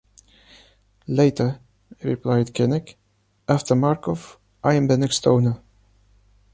Later, replied Keinec, After Marcof, I am the next owner.